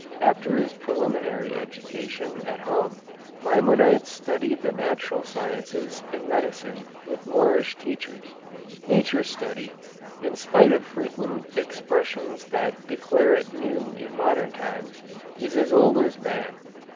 After his preliminary education at home Maimonides studied the natural sciences and medicine with Moorish teachers. Nature study, in spite of frequent expressions that declare it new in modern times, is as old as man.